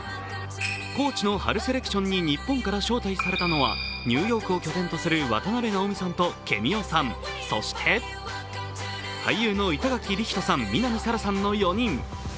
ＣＯＡＣＨの春セレクションに日本から招待されたのは、ニューヨークを拠点とする渡辺直美さんとｋｅｍｉｏさん、そして俳優の板垣李光人さん、南沙良さんの４人。